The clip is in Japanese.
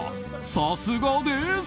さすがです！